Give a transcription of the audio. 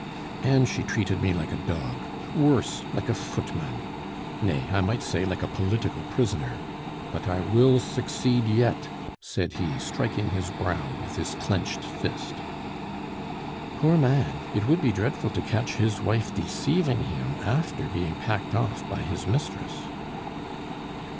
"And she treated me like a dog! worse, like a footman; nay, I might say like a political prisoner. But I will succeed yet," said he, striking his brow with his clenched fist. "Poor man! It would be dreadful to catch his wife deceiving him after being packed off by his mistress."